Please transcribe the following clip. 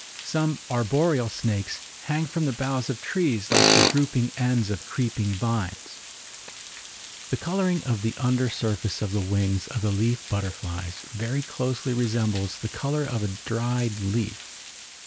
Some arboreal snakes hang from the boughs of trees like the drooping ends of creeping vines. The coloring of the under surface of the wings of the leaf butterflies very closely resembles the color of a dried leaf.